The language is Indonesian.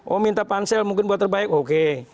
oh minta pansel mungkin buat terbaik oke